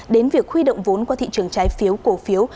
đến việc huy động vốn qua thị trường trái phiếu cổ phiếu